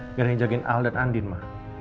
gak ada yang jagain al dan andin ma